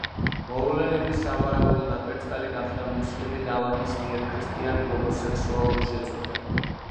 მოვლენების სავარაუდო ნაპერწკალი გახდა მუსლიმი დალაქის მიერ ქრისტიანი გოგოს სექსუალური შეწუხება.